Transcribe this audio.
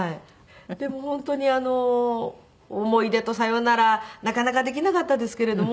でも本当に思い出とさよならなかなかできなかったですけれども。